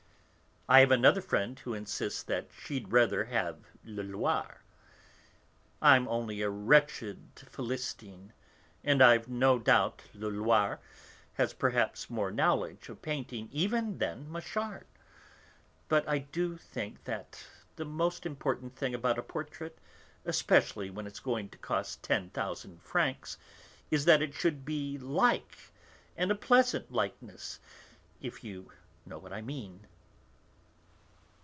I have another friend who insists that she'd rather have Leloir. I'm only a wretched Philistine, and I've no doubt Leloir has perhaps more knowledge of painting even than Machard. But I do think that the most important thing about a portrait, especially when it's going to cost ten thousand francs, is that it should be like, and a pleasant likeness, if you know what I mean."